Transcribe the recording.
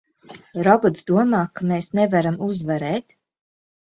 Robots domā, ka mēs nevaram uzvarēt!